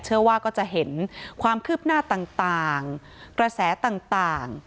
ว่าจะเห็นความคืบหน้าต่างกระแสต่าง